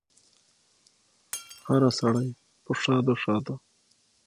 هره سړی په ښادو، ښادو